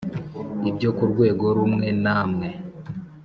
Ibyo ku rwego rumwe na mwe